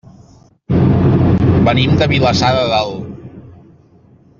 Venim de Vilassar de Dalt.